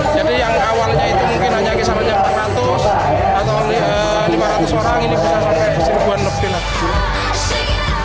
jadi yang awalnya itu mungkin hanya delapan ratus atau lima ratus orang ini bisa sampai seribu seribu